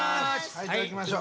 いただきましょう。